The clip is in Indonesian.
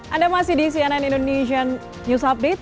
anda masih di cnn indonesian news update